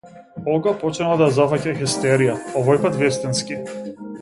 Олга почнала да ја зафаќа хистерија, овојпат вистински.